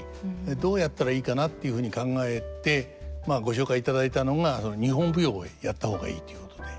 どうやったらいいかなっていうふうに考えてまあご紹介いただいたのが日本舞踊をやった方がいいということで。